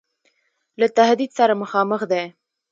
له تهدید سره مخامخ دی.